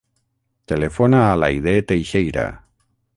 Telefona a l'Aidé Teixeira.